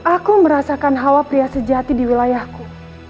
aku merasakan hawa pria sejati di wilayahku